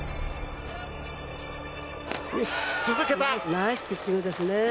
ナイスピッチングです。